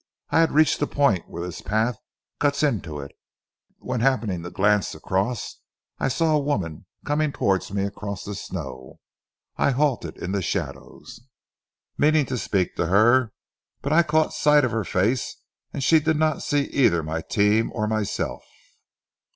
I had reached the point where this path cuts into it, when happening to glance across I saw a woman coming towards me across the snow. I halted in the shadows, meaning to speak to her, but I caught sight of her face, and she did not see either my team or myself."